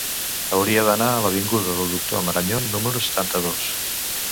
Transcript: Hauria d'anar a l'avinguda del Doctor Marañón número setanta-dos.